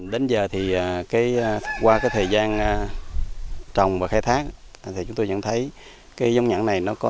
đến giờ thì qua thời gian trồng và khai thác chúng tôi vẫn thấy cái giống nhãn này nó có